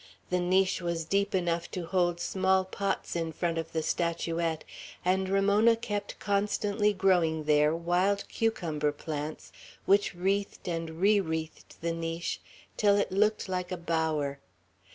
The niche was deep enough to hold small pots in front of the statuette; and Ramona kept constantly growing there wild cucumber plants, which wreathed and re wreathed the niche till it looked like a bower.